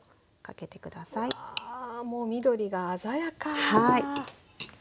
うわもう緑が鮮やか。